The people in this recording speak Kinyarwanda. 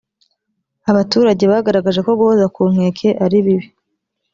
abaturage bagaragaje ko guhoza kunkeke aribibi.